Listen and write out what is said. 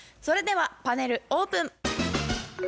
それではパネルオープン。